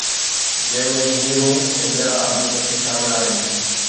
جنهن ۾ هيرون ۽ ٻيا آبي پکي شامل آهن